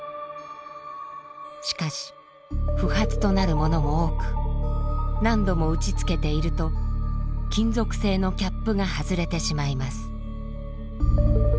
しかし不発となるものも多く何度も打ちつけていると金属製のキャップが外れてしまいます。